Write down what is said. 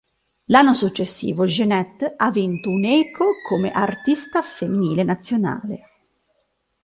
L'anno successivo Jeanette ha vinto un "Echo" come "Artista Femminile Nazionale".